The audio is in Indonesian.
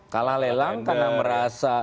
kalah lelang karena merasa